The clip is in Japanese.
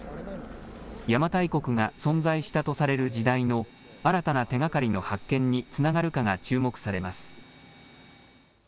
邪馬台国が存在したとされる時代の新たな手がかりの発見につながるかが注目されます。